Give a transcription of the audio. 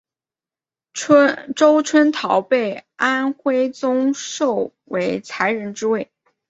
周春桃被宋徽宗授为才人之位。